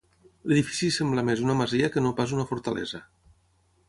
L'edifici sembla més una masia que no pas una fortalesa.